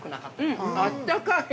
◆うん、あったかい！